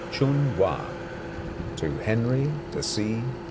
CHUN WA To Henry de C.